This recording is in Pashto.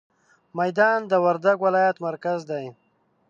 ميدان د وردګ ولايت مرکز دی.